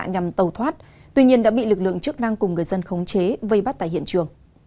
nhằm tàu thoát tuy nhiên đã bị lực lượng chức năng cùng người dân khống chế vây bắt tại hiện trường